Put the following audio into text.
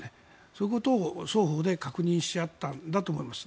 そういうことを双方で確認し合ったんだと思います。